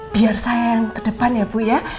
biar saya yang kedepan ya bu ya